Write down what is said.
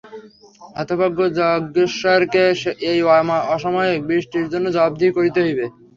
হতভাগ্য যজ্ঞেশ্বরকে এই অসাময়িক বৃষ্টির জন্য জবাবদিহি করিতে হইবে।